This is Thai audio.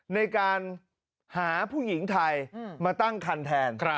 ในการหาผู้หญิงไทยมาตั้งคันแทน